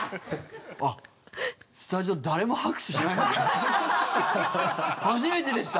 あ、スタジオ誰も拍手しないんですね。